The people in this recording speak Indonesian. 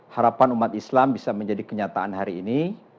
harapan umat islam bisa menjadi kenyataan hari ini